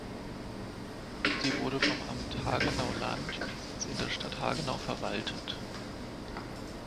Sie wurde vom Amt Hagenow-Land mit Sitz in der Stadt Hagenow verwaltet.